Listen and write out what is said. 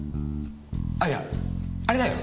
あいやあれだよ。